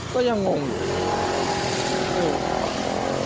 ก็ยังงงอยู่